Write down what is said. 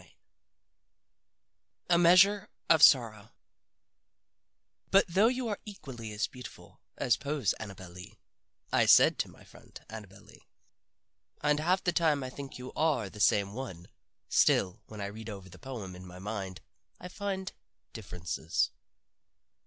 XVI A MEASURE OF SORROW "But though you are equally as beautiful as Poe's Annabel Lee," I said to my friend Annabel Lee "and half the time I think you are the same one still when I read over the poem in my mind I find differences."